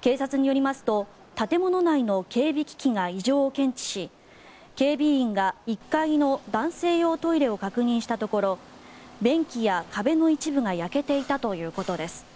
警察によりますと建物内の警備機器が異常を検知し警備員が１階の男性用トイレを確認したところ便器や壁の一部が焼けていたということです。